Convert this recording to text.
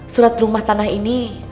surat rumah tanah ini